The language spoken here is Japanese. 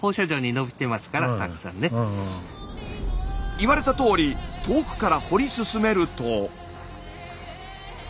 言われたとおり遠くから掘り進めると。